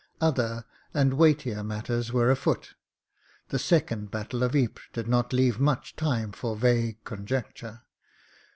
Other and weightier matters were afoot; the second battle of Ypres did not leave much time for vague conjecture.